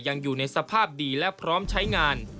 ยังอยู่ในสภาพดีและพร้อมใช้งาน